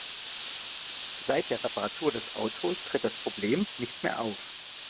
Seit der Reparatur des Autos tritt das Problem nicht mehr auf.